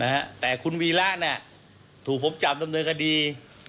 นะฮะแต่คุณวีระเนี่ยถูกผมจับดำเนินคดี